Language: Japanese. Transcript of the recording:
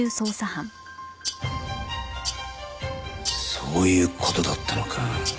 そういう事だったのか。